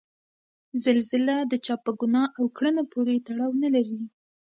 زلزله د چا په ګناه او کړنه پورې تړاو نلري.